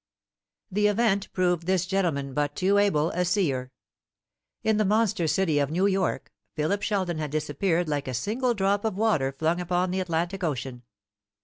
The event proved this gentleman but too able a seer. In the monster city of New York Philip Sheldon had disappeared like a single drop of water flung upon the Atlantic Ocean.